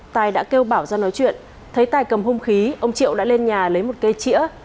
tài đã kêu bảo ra nói chuyện thấy tài cầm hung khí ông triệu đã lên nhà lấy một cây chĩa